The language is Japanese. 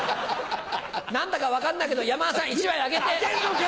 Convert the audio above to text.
何だか分かんないけど山田さん１枚あげて！